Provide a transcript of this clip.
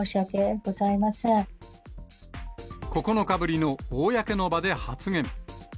９日ぶりの公の場で発言。